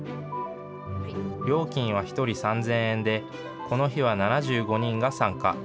料金は１人３０００円で、この日は７５人が参加。